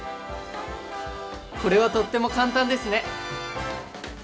これはとっても簡単ですね！